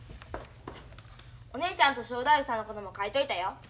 お姉ちゃんと正太夫さんのことも書いといたよ。